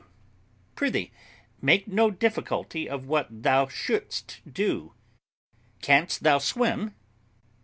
W. Prithee, make no difficulty of what thou shouldst do. Canst thou swim?